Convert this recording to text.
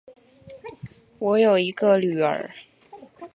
我有一个女儿